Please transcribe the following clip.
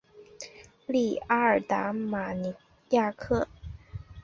利阿达尔马尼亚克。